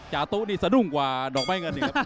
จากตู้นี่สะดุ้งกว่าดอกไม้เงิน